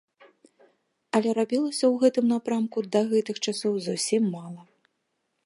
Але рабілася ў гэтым напрамку да гэтых часоў зусім мала.